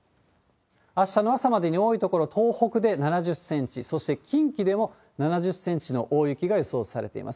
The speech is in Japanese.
あしたの朝までに多い所、東北で７０センチ、そして近畿でも７０センチの大雪が予想されています。